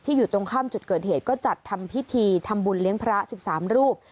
อยู่ตรงข้ามจุดเกิดเหตุก็จัดทำพิธีทำบุญเลี้ยงพระ๑๓รูป